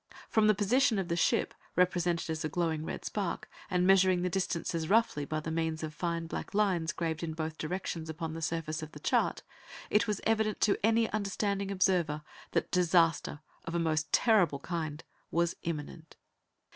From the position of the ship, represented as a glowing red spark, and measuring the distances roughly by means of the fine black lines graved in both directions upon the surface of the chart, it was evident to any understanding observer that disaster of a most terrible kind was imminent.